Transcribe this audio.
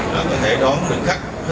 để có thể đón được khách